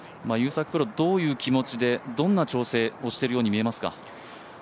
どういう気持ちで、どんな調整をしているように見えますか？